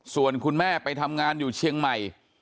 ส่วนคุณแม่ไปทำงานอยู่เชียงใหม่